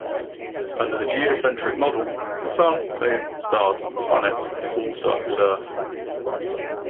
Under the geocentric model, the Sun, Moon, stars, and planets all circled Earth.